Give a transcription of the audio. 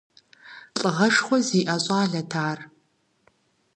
Лӏыгъэшхуэ зиӏэ щӏалэт ар.